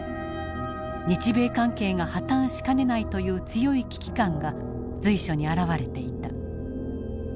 日米関係が破綻しかねないという強い危機感が随所に表れていた。